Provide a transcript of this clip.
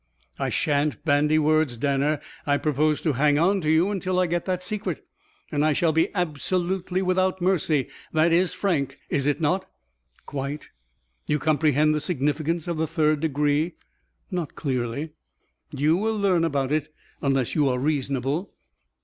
"I shan't bandy words, Danner. I propose to hang on to you until I get that secret. And I shall be absolutely without mercy. That is frank, is it not?" "Quite." "You comprehend the significance of the third degree?" "Not clearly." "You will learn about it unless you are reasonable."